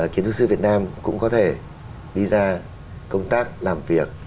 kiến trúc sư việt nam cũng có thể đi ra công tác làm việc